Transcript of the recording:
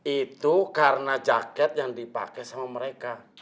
itu karena jaket yang dipakai sama mereka